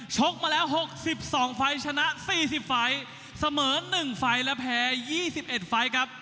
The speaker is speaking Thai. กมาแล้ว๖๒ไฟล์ชนะ๔๐ไฟล์เสมอ๑ไฟล์และแพ้๒๑ไฟล์ครับ